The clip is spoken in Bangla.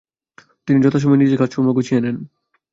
তিনি যথাসময়ে নিজের কাজকর্ম গুছিয়ে নেন।